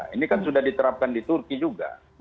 ini kan sudah diterapkan di turki juga